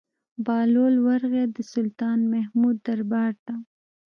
بهلول ورغى د سلطان محمود دربار ته.